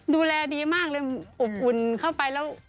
ดูแลดีมากเลยอบอุ่นเข้าไปแล้ว